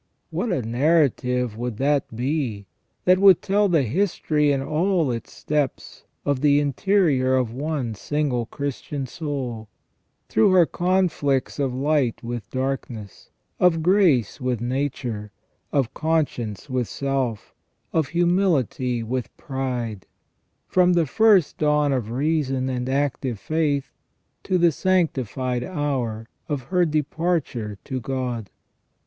What a narrative would that be that would tell the history in all its steps of the interior of one single Christian soul, through her conflicts of light with darkness, of grace with nature, of con science with self, of humility with pride, from the first dawn of reason and active faith to the sanctified hour of her departure to God